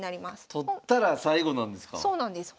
取ったら最後なんですか？